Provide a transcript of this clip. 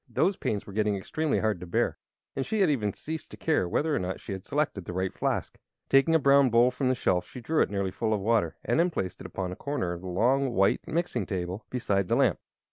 Those pains were getting extremely hard to bear, and she had even ceased to care whether or not she had selected the right flask. Taking a brown bowl from the shelf she drew it nearly full of water and then placed it upon a corner of the long, white mixing table, beside the lamp.